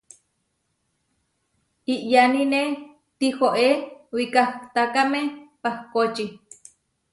iʼyánine tihoé wikahtákame pahkóči.